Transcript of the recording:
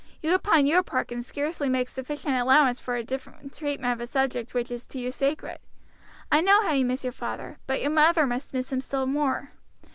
You upon your part can scarcely make sufficient allowance for her different treatment of a subject which is to you sacred. I know how you miss your father, but your mother must miss him still more.